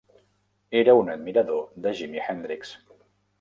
Era un admirador de Jimi Hendrix.